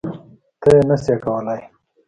ته یی نه سی کولای